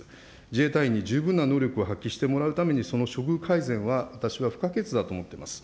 自衛隊員に十分な能力を発揮してもらうために、その処遇改善は私は不可欠だと思っています。